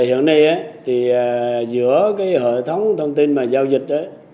hiện nay thì giữa hệ thống thông tin giao dịch